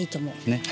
ねっ。